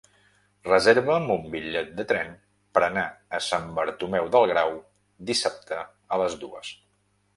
Reserva'm un bitllet de tren per anar a Sant Bartomeu del Grau dissabte a les dues.